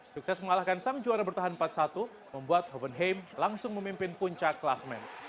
sukses mengalahkan sang juara bertahan empat satu membuat hovenheim langsung memimpin puncak klasmen